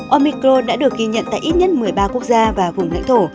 omicro đã được ghi nhận tại ít nhất một mươi ba quốc gia và vùng lãnh thổ